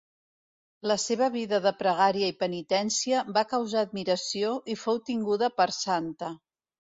La seva vida de pregària i penitència va causar admiració i fou tinguda per santa.